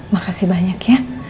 makasih banyak ya